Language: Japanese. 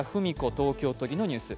東京都議のニュース。